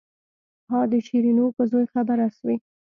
ها د شيرينو په زوى خبره سوې.